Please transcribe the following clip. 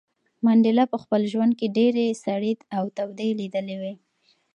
منډېلا په خپل ژوند کې ډېرې سړې او تودې لیدلې وې.